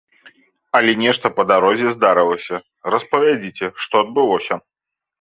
Але нешта па дарозе здарылася, распавядзіце, што адбылося?